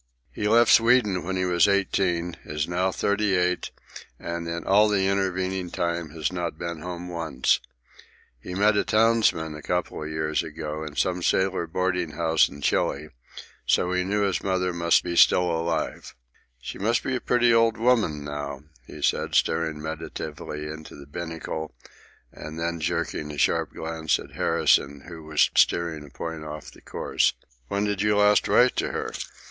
He left Sweden when he was eighteen, is now thirty eight, and in all the intervening time has not been home once. He had met a townsman, a couple of years before, in some sailor boarding house in Chile, so that he knew his mother to be still alive. "She must be a pretty old woman now," he said, staring meditatively into the binnacle and then jerking a sharp glance at Harrison, who was steering a point off the course. "When did you last write to her?"